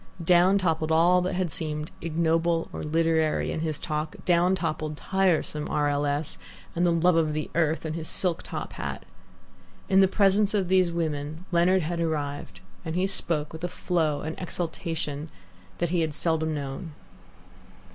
Down toppled all that had seemed ignoble or literary in his talk, down toppled tiresome R. L. S. and the "love of the earth" and his silk top hat. In the presence of these women Leonard had arrived, and he spoke with a flow, an exultation, that he had seldom known.